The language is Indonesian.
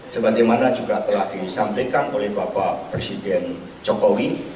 seperti mana juga telah disampaikan oleh bapak presiden jokowi